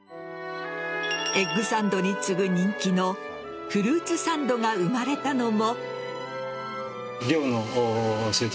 エッグサンドに次ぐ人気のフルーツサンドが生まれたのも。